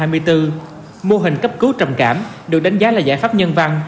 mô hình cấp cứu trầm cảm được đánh giá là giải pháp nhân văn